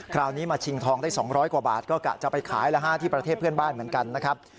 คราวนี้มาชิงทองได้๒๐๐กว่าบาทก็กะจะไปขายแล้วฮะที่ประเทศเพื่อนบ้านเหมือนกันนะครับ